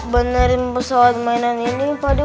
benerin pesawat mainan ini pak deh